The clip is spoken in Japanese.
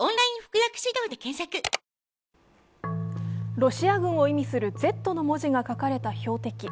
ロシア軍を意味する「Ｚ」の文字が書かれた標的。